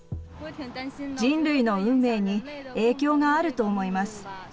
人類の運命に影響があると思います。